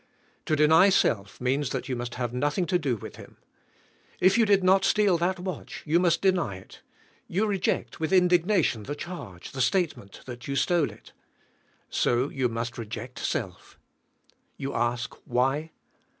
To deny self means that you must have nothing to do with him. If you did not steal that watch you must deny it, you reject with indig nation the charg e, the statement, that you stole it. So you must reject self. You ask why.